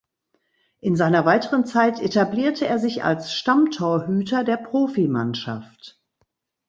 In seiner weiteren Zeit etablierte er sich als Stammtorhüter der Profimannschaft.